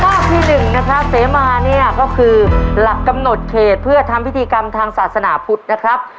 ข้อที่หนึ่งนะครับเสมาเนี่ยก็คือหลักกำหนดเขตเพื่อทำพิธีกรรมทางศาสนาพุทธนะครับ